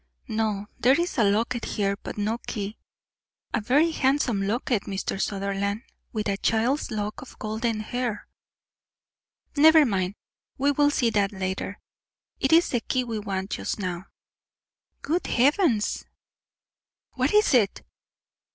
"No; there is a locket here, but no key. A very handsome locket, Mr. Sutherland, with a child's lock of golden hair " "Never mind, we will see that later; it is the key we want just now." "Good heavens!" "What is it?"